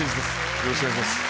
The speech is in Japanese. よろしくお願いします。